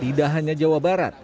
tidak hanya jawa barat